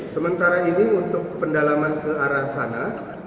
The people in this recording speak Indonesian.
sementara ini untuk pendalaman ke arah sana